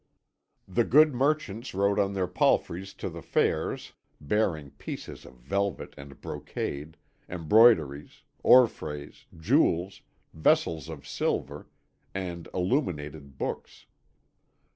The good merchants rode on their palfreys to the fairs, bearing pieces of velvet and brocade, embroideries, orfrays, jewels, vessels of silver, and illuminated books.